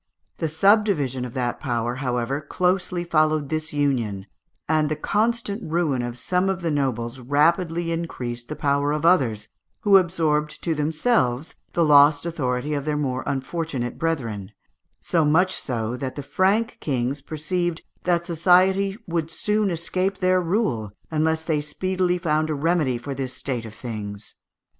The subdivision of that power, however, closely followed this union, and the constant ruin of some of the nobles rapidly increased the power of others, who absorbed to themselves the lost authority of their more unfortunate brethren, so much so that the Frank kings perceived that society would soon escape their rule unless they speedily found a remedy for this state of things.